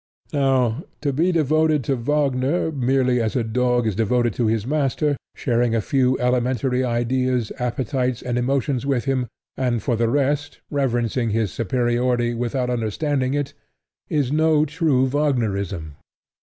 Now to be devoted to Wagner merely as a dog is devoted to his master, sharing a few elementary ideas, appetites and emotions with him, and, for the rest, reverencing his superiority without understanding it, is no true Wagnerism.